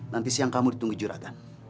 nanti siang kamu ditunggu juragan